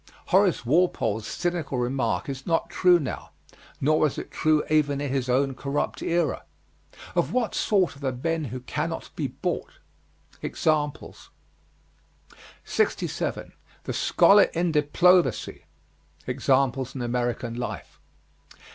Horace Walpole's cynical remark is not true now, nor was it true even in his own corrupt era. Of what sort are the men who cannot be bought? Examples. 67. THE SCHOLAR IN DIPLOMACY. Examples in American life.